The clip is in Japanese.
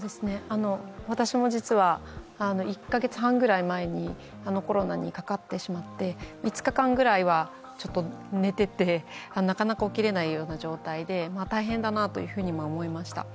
私も実は１カ月半くらい前にコロナにかかってしまって５日間ぐらいは寝ていて、なかなか起きられないような状態で大変だなというふうに思いました。